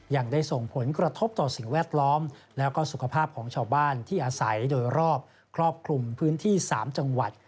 ยังได้ส่งผลกระทบต่อสิ่งแวดล้อมแล้วก็สุขภาพของชาวบ้านที่อาศัยโดยรอบครอบคลุมพื้นที่๓จังหวัด